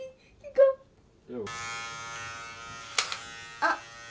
あっ！